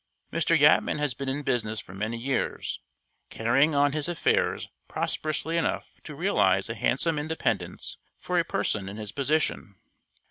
Mr. Yatman has been in business for many years, carrying on his affairs prosperously enough to realize a handsome independence for a person in his position.